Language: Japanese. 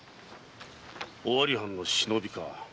尾張藩の忍びか。